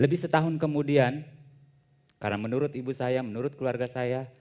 lebih setahun kemudian karena menurut ibu saya menurut keluarga saya